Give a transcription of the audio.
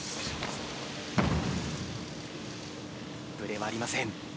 ぶれはありません。